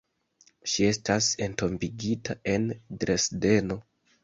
Ŝi estas entombigita en Dresdeno.